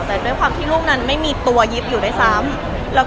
แต่ด้วยความที่ลูกนั้นไม่มีตัวยิบอยู่ด้วยซ้ำ